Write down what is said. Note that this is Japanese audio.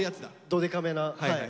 どでかめなはい。